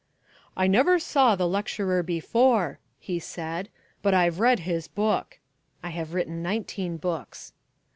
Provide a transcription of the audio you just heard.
"I never saw the lecturer before," he said, "but I've read his book." (I have written nineteen books.)